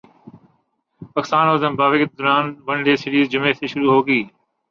پاکستان اور زمبابوے کے درمیان ون ڈے سیریز جمعہ سے شروع ہوگی